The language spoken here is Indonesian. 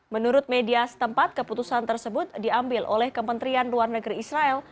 menurut media setempat keputusan tersebut diambil oleh kementerian luar negeri israel